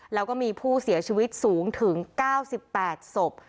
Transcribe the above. แล้วก็มีผู้เสียชีวิตสูงถึงเก้าสิบแปดศพ